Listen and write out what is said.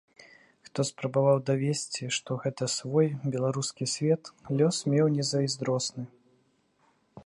Хто спрабаваў давесці, што гэта свой, беларускі свет, лёс меў незайздросны.